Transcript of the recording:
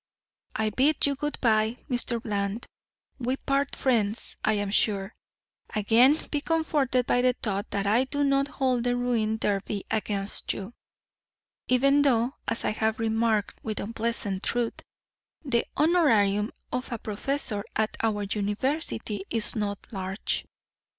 I bid you good by, Mr. Bland. We part friends, I am sure. Again be comforted by the thought that I do not hold the ruined derby against you. Even though, as I have remarked with unpleasant truth, the honorarium of a professor at our university is not large."